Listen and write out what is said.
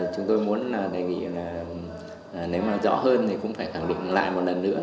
chúng tôi muốn đề nghị nếu rõ hơn thì phải thẳng định lại một lần nữa